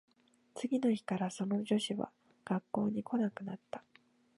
次の日からその女子は学校に来なくなった